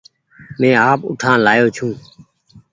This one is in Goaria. مينٚ آپ اُٺآن لآيو ڇوٚنٚ